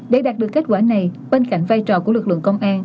để đạt được kết quả này bên cạnh vai trò của lực lượng công an